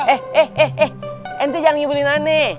eh eh eh eh ente jangan ngibulin ane